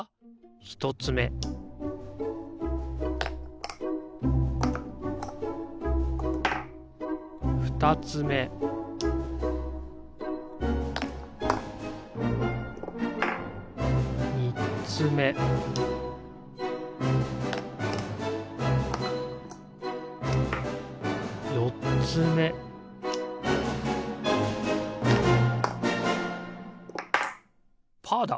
ひとつめふたつめみっつめよっつめパーだ！